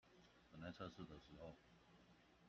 本來測試的時候